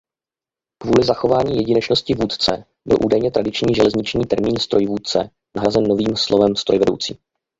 Kvůli zachování jedinečnosti Vůdce byl údajně tradiční železniční termín strojvůdce nahrazen novým slovem strojvedoucí.